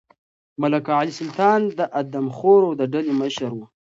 ملک علي سلطان د آدمخورو د ډلې مشر و.